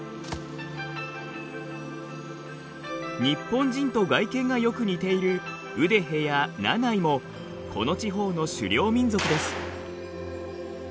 日本人と外見がよく似ているウデヘやナナイもこの地方の狩猟民族です。